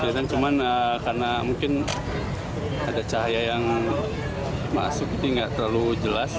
kelihatan cuma karena mungkin ada cahaya yang masuk ini nggak terlalu jelas